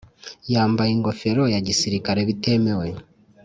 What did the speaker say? yambaye ingofero yagisirikare bitemewe